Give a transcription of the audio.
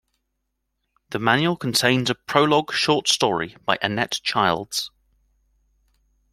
The manual contains a prologue short story by Annette Childs.